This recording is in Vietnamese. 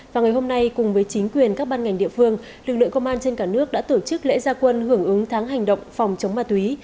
và ngày hôm nay cùng với chính quyền các ban ngành địa phương lực lượng công an trên cả nước đã tổ chức lễ gia quân hưởng ứng tháng hành động phòng chống ma túy